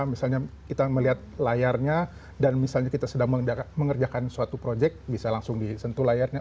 misalnya kita melihat layarnya dan misalnya kita sedang mengerjakan suatu project bisa langsung disentuh layarnya